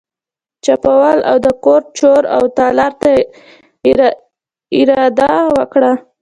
چپاول او د کور چور او تالا ته اراده وکړه.